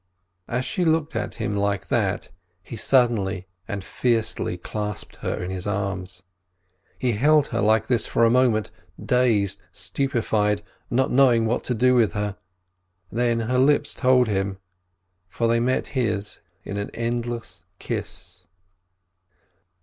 As she looked at him like that, he suddenly and fiercely clasped her in his arms. He held her like this for a moment, dazed, stupefied, not knowing what to do with her. Then her lips told him, for they met his in an endless kiss.